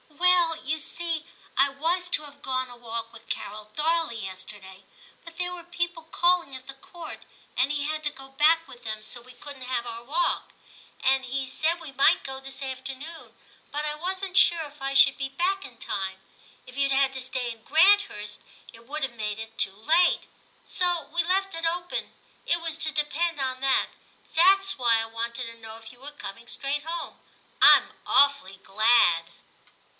'Well, you see, I was to have gone a walk with Carol Darley yesterday, but there were people calling at the Court, and he had to go back with them, so we couldn't have our walk. And he said we might go this afternoon, but I wasn't sure if I should be back in time ;. if you'd had to stay in Grant hurst it would have made it too late. So we left it open. It was to depend on that. That's why I wanted to know if you were coming straight home. I'm awfully glad.'